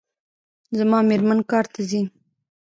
زما میرمن کار ته ځي